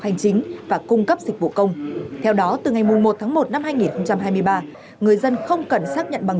hành chính và cung cấp dịch vụ công theo đó từ ngày một một hai nghìn hai mươi ba người dân không cần xác nhận băng